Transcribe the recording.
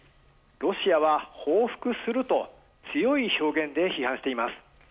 ロシアは報復すると強い表現で批判しています。